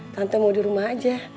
tante mau di rumah aja